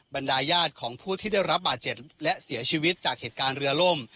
บรรดายญาติของผู้ที่ได้รับบาดเจ็บและเสียชีวิตจากเหตุการณ์เรือล่ม